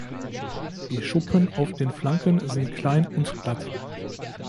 Die Schuppen auf den Flanken sind klein und glatt.